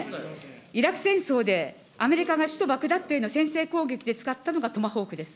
イラク戦争で、アメリカが首都バグダッドへの先制攻撃で使ったのがトマホークです。